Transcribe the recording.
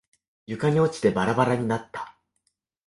床に落ちてバラバラになった。